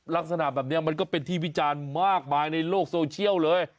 ลักษณะแบบนี้มันก็เป็นที่วิจารณ์มากมายในโลกโซเชียลเลย